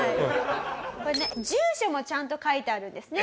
これね住所もちゃんと書いてあるんですね。